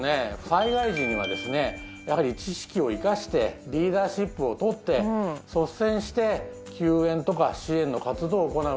災害時にはですねやはり知識を生かしてリーダーシップを取って率先して救援とか支援の活動を行うのが防災士ですね。